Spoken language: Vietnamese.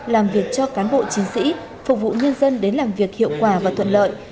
làm việc cho cán bộ chiến sĩ phục vụ nhân dân đến làm việc hiệu quả và thuận lợi